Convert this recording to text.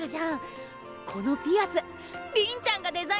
このピアスりんちゃんがデザインしたんだよ。